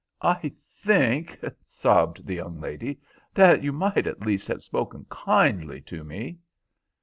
"I think," sobbed the young lady, "that you might at least have spoken kindly to me."